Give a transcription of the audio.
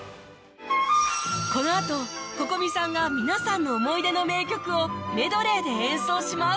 このあと Ｃｏｃｏｍｉ さんが皆さんの思い出の名曲をメドレーで演奏します